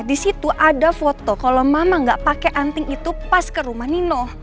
di situ ada foto kalau mama nggak pakai anting itu pas ke rumah nino